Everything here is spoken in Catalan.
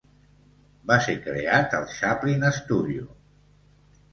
Va ser creat al Chaplin Studio.